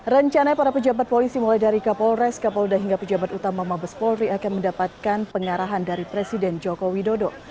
rencana para pejabat polisi mulai dari kapolres kapolda hingga pejabat utama mabes polri akan mendapatkan pengarahan dari presiden joko widodo